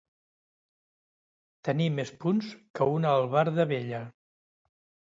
Tenir més punts que una albarda vella.